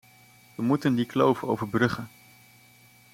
We moeten die kloof overbruggen.